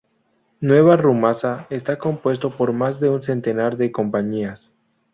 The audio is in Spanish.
Nueva Rumasa está compuesto por más de un centenar de compañías.